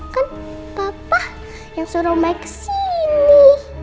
kan papa yang suruh om baik kesini